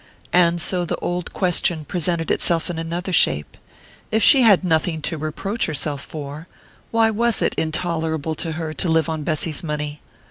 And so the old question presented itself in another shape: if she had nothing to reproach herself for, why was it intolerable to her to live on Bessy's money?